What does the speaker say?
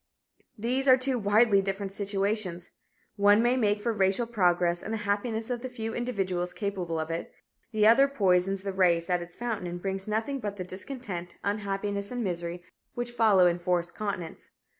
These are two widely different situations one may make for racial progress and the happiness of the few individuals capable of it; the other poisons the race at its fountain and brings nothing but the discontent, unhappiness and misery which follow enforced continence.